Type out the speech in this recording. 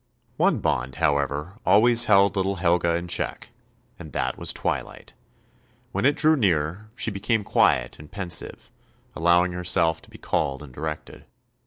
One bond, however, always held little Helga in check, and that was twilight; when it drew near, she became quiet and pensive, allowing herself to be called and directed.